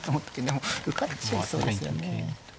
でも受かっちゃいそうですよね。